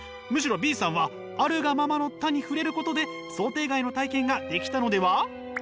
むしろＢさんは「あるがままの多」に触れることで想定外の体験ができたのでは？